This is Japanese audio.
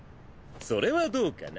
それはどかな！